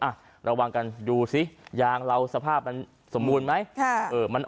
หวังกันอยู่ซิยางสภาพมันสมบูรณ์ไหม